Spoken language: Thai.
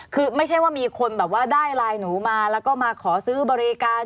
คือไม่ใช่ว่ามีคนแบบว่าได้ไลน์หนูมาแล้วก็มาขอซื้อบริการ